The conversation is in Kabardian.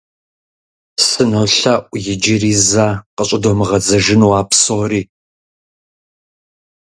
СынолъэӀу иджыри зэ къыщӀыдомыгъэдзэжыну а псори.